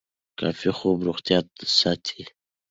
کافي خوب روغتیا ساتي.